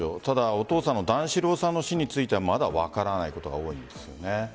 お父さんの段四郎さんの死についてはまだ分からないことが多い。